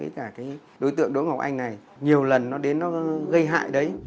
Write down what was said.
cả cái đối tượng đỗ ngọc anh này nhiều lần nó đến nó gây hại đấy